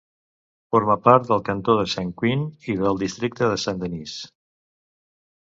Forma part del cantó de Saint-Ouen i del districte de Saint-Denis.